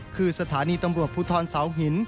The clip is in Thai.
คือสถานีตำรวจภูทรเสาหิน